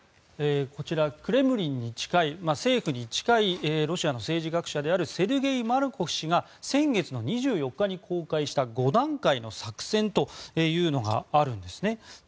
こちらクレムリンに近いロシアの政治学者であるセルゲイ・マルコフ氏が先月２４日に公開した５段階の作戦というのがあるんですね。